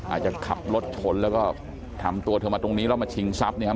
อาจจะขับรถชนแล้วก็ทำตัวเธอมาตรงนี้แล้วมาชิงทรัพย์เนี่ยครับ